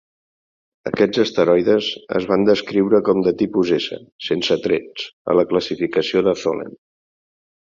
Aquests asteroides es van descriure com de tipus S "sense trets" a la classificació de Tholen.